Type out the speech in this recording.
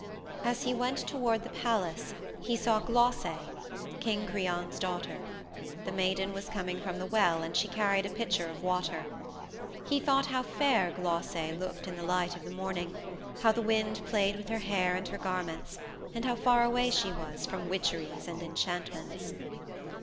As he went toward the palace he saw Glauce, King Creon's daughter; the maiden was coming from the well and she carried a pitcher of water. He thought how fair Glauce looked in the light of the morning, how the wind played with her hair and her garments, and how far away she was from witcheries and enchantments.